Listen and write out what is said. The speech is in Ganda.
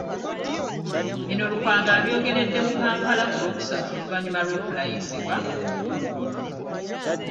Bino Lukwago abyogeredde mu Kampala ku Lwokusatu oluvannyuma lw’okulayizibwa ku bukulu buno.